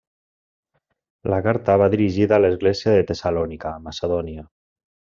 La carta va dirigida a l'Església de Tessalònica, a Macedònia.